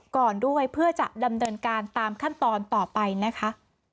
ก่อนด้วยเพื่อจะดำเนินการตามขั้นตอนต่อไปนะคะ